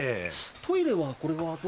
トイレはこれはどこ。